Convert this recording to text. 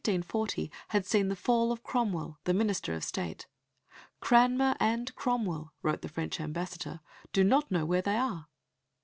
] No one was safe. The year 1540 had seen the fall of Cromwell, the Minister of State. "Cranmer and Cromwell," wrote the French ambassador, "do not know where they are."